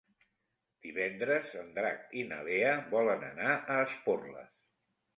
Divendres en Drac i na Lea volen anar a Esporles.